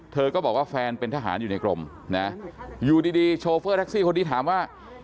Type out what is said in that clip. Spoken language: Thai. เธอก็บอกว่าแฟนเป็นทหารอยู่ในกรมนะอยู่ดีโชเฟอร์แท็กซี่คนนี้ถามว่า